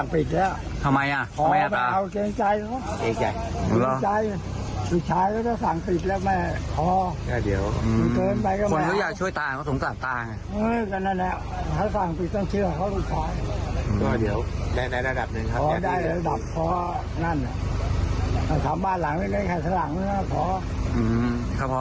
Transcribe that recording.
พอจะพอมีเงินพอจะปลูกบ้านใหม่ก็พอแล้วไม่เอาแล้ว